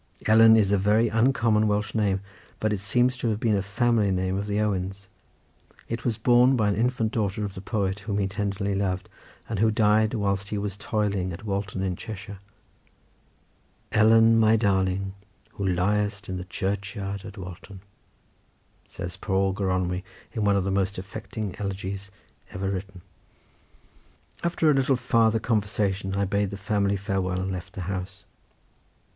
Ellen is a very uncommon Welsh name, but it seems to have been a family name of the Owens; it was borne by an infant daughter of the poet whom he tenderly loved, and who died whilst he was toiling at Walton in Cheshire,— "Ellen, my darling, Who liest in the churchyard of Walton," says poor Gronwy in one of the most affecting elegies ever written. After a little farther conversation I bade the family farewell and left the house.